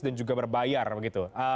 dan juga berbayar begitu